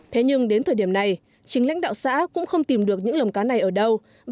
thế nhưng đến thời điểm này chính lãnh đạo xã cũng không tìm được những lồng cá